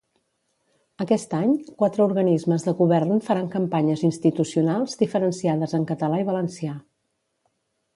Aquest any, quatre organismes de govern faran campanyes institucionals diferenciades en català i valencià.